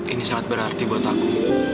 ini sangat berarti buat aku